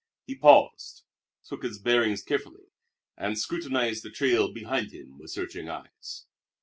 He paused, took his bearings carefully, and scrutinized the trail behind him with searching eyes.